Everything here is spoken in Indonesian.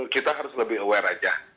kita harus lebih aware aja